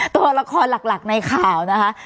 ตัวละครหลักในข่าวนะคะ